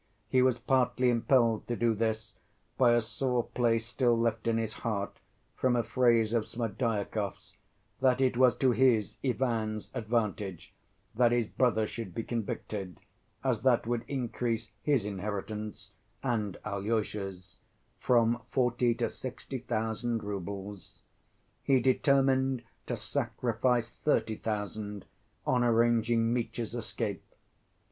He was partly impelled to do this by a sore place still left in his heart from a phrase of Smerdyakov's, that it was to his, Ivan's, advantage that his brother should be convicted, as that would increase his inheritance and Alyosha's from forty to sixty thousand roubles. He determined to sacrifice thirty thousand on arranging Mitya's escape.